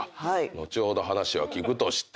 後ほど話は聞くとして。